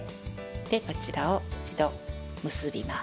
こちらを一度結びます。